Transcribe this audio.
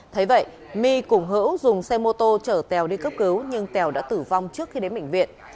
thấy vậy my cùng hữu dùng xe mô tô chở tèo đi cấp cứu nhưng tèo đã tử vong trước khi đến bệnh viện